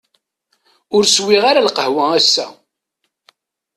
Ur swiɣ ara lqahwa ass-a.